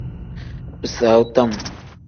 Bisaawu tam.